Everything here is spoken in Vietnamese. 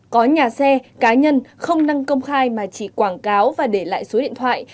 có nhà xe cá nhân không nâng công khai mà chỉ quảng cáo và để lại số điện thoại